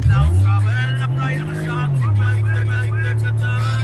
Político republicano y abogado castellano.